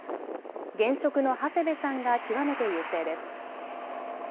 現職の長谷部さんが極めて優勢です。